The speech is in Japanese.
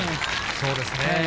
そうですね。